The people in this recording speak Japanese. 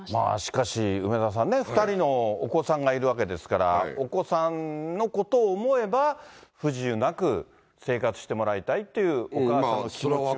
しかし、梅沢さんね、２人のお子さんがいるわけですから、お子さんのことを思えば、不自由なく生活してもらいたいっていうお母さんの気持ちは。